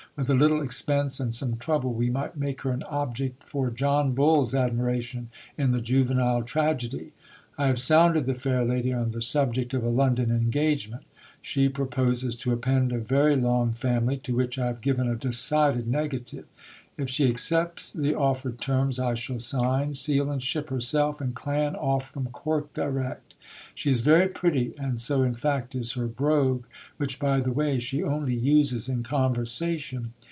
With a little expense and some trouble we might make her an object for John Bull's admiration in the juvenile tragedy. I have sounded the fair lady on the subject of a London engagement. She proposes to append a very long family, to which I have given a decided negative. If she accepts the offered terms I shall sign, seal and ship herself and clan off from Cork direct. She is very pretty, and so, in fact, is her brogue, which, by the way, she only uses in conversation.